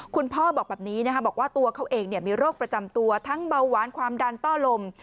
พ่อบอกแบบนี้นะคะบอกว่าตัวเขาเองมีโรคประจำตัวทั้งเบาหวานความดันต้อลม